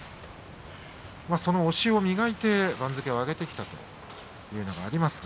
その押しを磨いて番付を上げてきたということはあります。